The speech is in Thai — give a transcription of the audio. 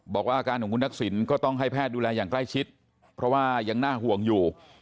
บอกว่าอาการของคุณทักษิณก็ต้องให้แพทย์ดูแลอย่างใกล้ชิดเพราะว่ายังน่าห่วงอยู่